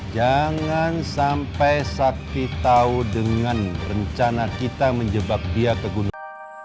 jangan sampai sakti tahu dengan rencana kita menjebak dia ke gunung